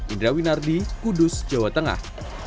indra winardi kudus jawa tengah